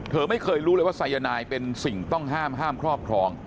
ไม่เคยรู้เลยว่าสายนายเป็นสิ่งต้องห้ามห้ามครอบครอง